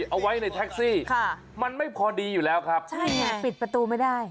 เอาไว้ในแท็กซี่ค่ะมันไม่พอดีอยู่แล้วครับใช่ไงปิดประตูไม่ได้